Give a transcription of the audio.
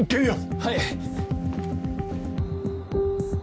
はい！